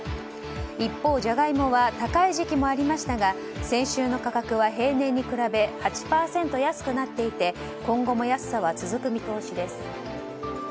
一方、ジャガイモは高い時期もありましたが先週の価格は平年に比べ８％安くなっていて今後も安さは続く見通しです。